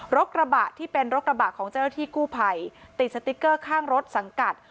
กระบะที่เป็นรถกระบะของเจ้าหน้าที่กู้ภัยติดสติ๊กเกอร์ข้างรถสังกัด